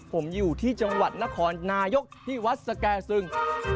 ผมอยู่ที่จังหวัดนครนายกที่วัดสแก่ซึง